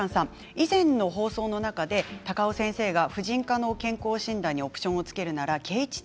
以前の放送の中で高尾先生は婦人科の健康診断のオプションをつけるなら経ちつ